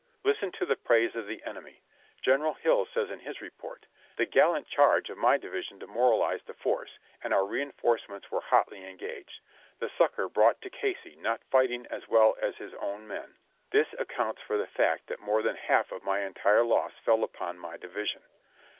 Listen to the praise of the enemy. General Hill says in his report: "The gallant charge of my division demoralized the force, and our reinforcements were hotly engaged, the succor brought to Casey not fighting as well as his ozvn men. This ac counts for the fact that more than half of my entire loss fell upon my division.